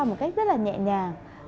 một cách rất là nhẹ nhàng